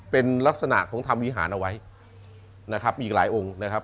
เป็นลักษณะของทำวิหารเอาไว้นะครับมีอีกหลายองค์นะครับ